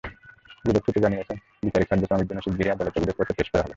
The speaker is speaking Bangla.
দুদক সূত্র জানিয়েছে, বিচারিক কার্যক্রমের জন্য শিগগিরই আদালতে অভিযোগপত্র পেশ করা হবে।